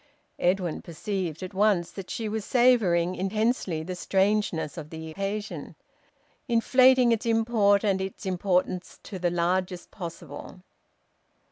Edwin perceived at once that she was savouring intensely the strangeness of the occasion, inflating its import and its importance to the largest possible.